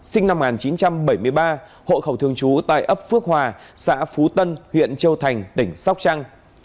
sinh năm một nghìn chín trăm bảy mươi ba hộ khẩu thường trú tại ấp phước hòa xã phú tân huyện châu thành tỉnh sóc trăng